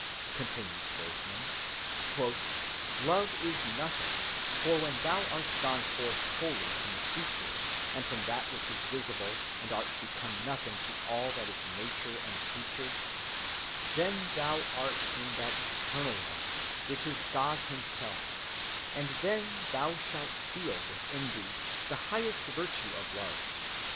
"Love," continues Behmen, is Nothing, for "when thou art gone forth wholly from the Creature and from that which is visible, and art become Nothing to all that is Nature and Creature, then thou art in that eternal One, which is God himself, and then thou shalt feel within thee the highest virtue of Love....